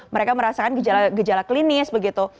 mereka merasakan gejala gejala klinis begitu